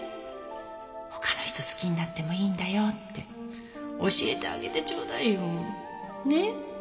他の人好きになってもいいんだよって教えてあげてちょうだいよ。ね？